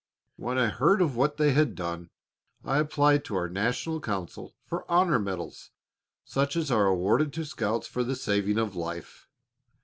When I heard of what they had done I applied to our national council for honor medals such as are awarded to scouts for the saving of life.